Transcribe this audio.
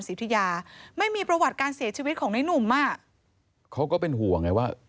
อุทิยาไม่มีประวัติการเสียชีวิตของในหนุ่มอ่ะเขาก็เป็นห่วงไงว่า